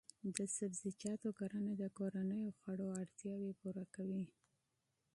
د سبزیجاتو کرنه د کورنیو خوړو اړتیاوې پوره کوي.